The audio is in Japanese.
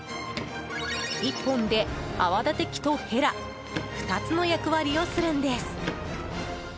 １本で、泡立て器とへら２つの役割をするんです。